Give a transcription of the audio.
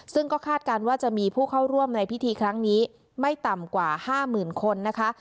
ซึ่งก็คาดการณ์ว่าจะมีผู้เข้าร่วมในพิธีครั้งนี้ไม่ต่ำกว่า๕๐๐๐คนนะคะ